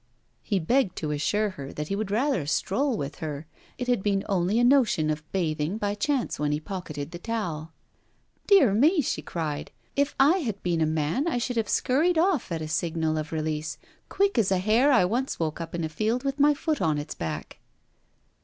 He begged to assure her that he would rather stroll with her: it had been only a notion of bathing by chance when he pocketed the towel. 'Dear me,' she cried, 'if I had been a man I should have scurried off at a signal of release, quick as a hare I once woke up in a field with my foot on its back.'